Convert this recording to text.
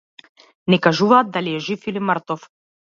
Не кажуваат дали е жив или мртов.